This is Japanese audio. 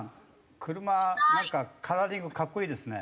車なんかカラーリング格好いいですね。